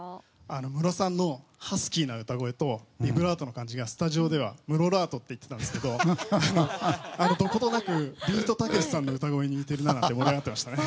ムロさんのハスキーな歌声とビブラートの感じがムロラートって言ってたんですけどどことなくビートたけしさんの歌声に似ているななんて話題になっていましたね。